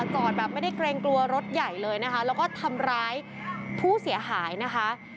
จอดแบบไม่ได้เกรงกลัวรถใหญ่เลยนะคะแล้วก็ทำร้ายผู้เสียหายนะคะ